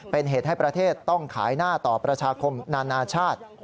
เป็นเหตุให้ประเทศต้องขายหน้าต่อประชาคมนานาชาติ